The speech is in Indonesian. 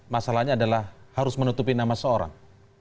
masalahnya adalah harus menutupi nama seorang